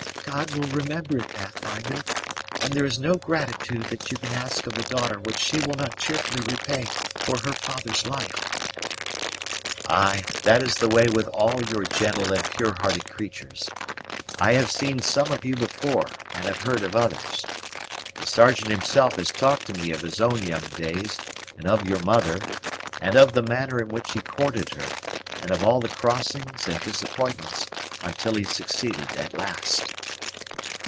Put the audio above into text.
God will remember it, Pathfinder; and there is no gratitude that you can ask of the daughter which she will not cheerfully repay for her father's life." "Ay, that is the way with all your gentle and pure hearted creatures. I have seen some of you before, and have heard of others. The Sergeant himself has talked to me of his own young days, and of your mother, and of the manner in which he courted her, and of all the crossings and disappointments, until he succeeded at last."